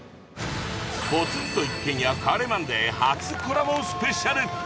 『ポツンと一軒家』『帰れマンデー』初コラボスペシャル！